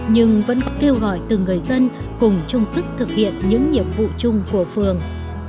nhưng vẫn có kêu gọi từng người dân cùng chung sức thực hiện những nhiệm vụ chung của phường